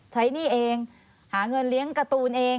หนี้เองหาเงินเลี้ยงการ์ตูนเอง